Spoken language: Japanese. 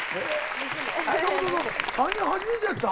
３人初めてやった？